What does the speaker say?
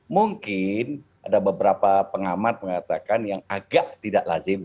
mungkin ada beberapa pengamat mengatakan yang agak tidak lazim